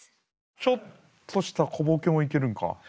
ちょっとした小ボケもいけるんか。